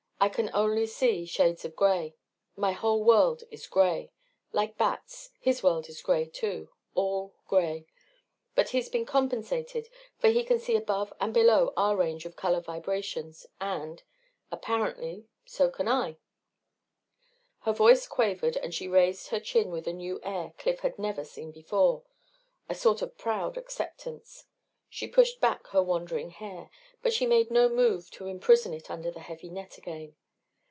I can see only shades of gray my whole world is gray. Like Bat's his world is gray too all gray. But he's been compensated for he can see above and below our range of color vibrations and apparently so can I!" Her voice quavered and she raised her chin with a new air Cliff had never seen before a sort of proud acceptance. She pushed back her wandering hair, but she made no move to imprison it under the heavy net again.